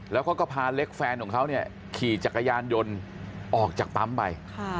แล้วเขาก็พาเล็กแฟนของเขาเนี่ยขี่จักรยานยนต์ออกจากปั๊มไป